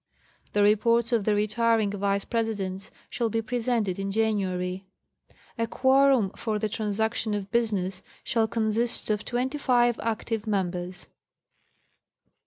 The reports of the retiring Vice Presidents shall be presented in January. A quorum for the transaction of business shall consist of twenty five active members.